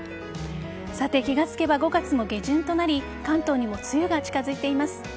さて、気がつけば５月も下旬となり関東にも梅雨が近づいています。